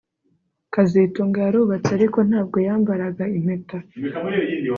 kazitunga yarubatse ariko ntabwo yambaraga impeta